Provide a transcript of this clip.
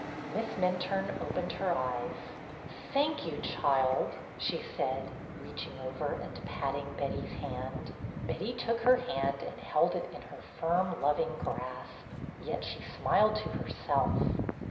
Miss Minturne opened her eyes. "Thank you, child !'' she said, reaching over and patting Betty's hand. Betty took her hand and held it in her firm, loving grasp. Yet she smiled to herself.